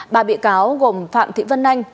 bà bị cáo gồm phạm thị vân anh